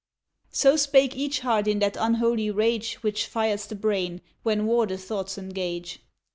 So spake each heart in that unholy rage Which fires the brain, when war the thoughts engage.